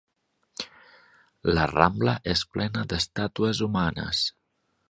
La Rambla és plena d'estàtues humanes.